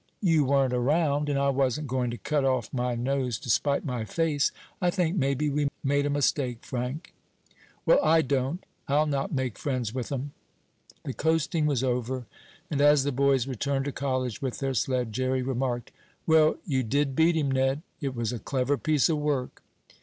"You weren't around, and I wasn't going to cut off my nose to spite my face. I think maybe we made a mistake, Frank." "Well, I don't. I'll not make friends with 'em!" The coasting was over, and as the boys returned to college with their sled, Jerry remarked: "Well, you did beat him, Ned. It was a clever piece of work."